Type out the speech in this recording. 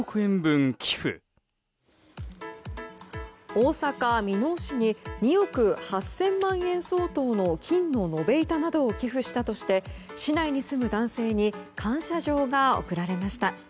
大阪・箕面市に２億８０００万円相当の金の延べ板などを寄付したとして市内に住む男性に感謝状が贈られました。